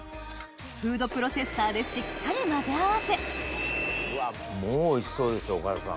フードプロセッサーでしっかり混ぜ合わせもうおいしそうですよ岡田さん。